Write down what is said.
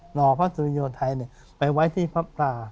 หล่อพระสุริยธัยไปไว้ที่ภาพตา